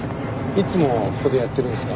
いつもここでやってるんですか？